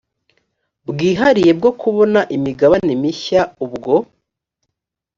bwihariye bwo kubona imigabane mishya ubwo